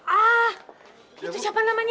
ah itu siapa namanya